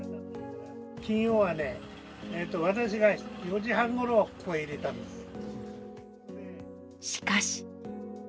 金曜はね、私が４時半ごろ、しかし。